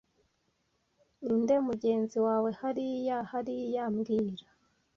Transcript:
Ninde mugenzi wawe hariya hariya mbwira